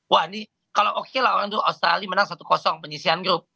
wah ini kalau oke lah orang australia menang satu penyisian grup